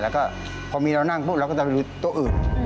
แล้วก็พอมีเรานั่งปุ๊บเราก็จะไปดูโต๊ะอื่น